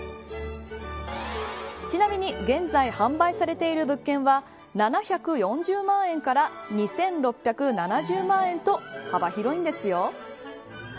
ちなみに現在販売されている物件は７４０万円から２６７０万円と幅広いんですよ。